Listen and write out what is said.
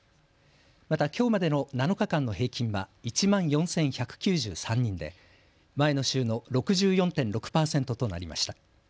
また、きょうまでの７日間の平均は１万４１９３人で前の週の６４．６％となりました。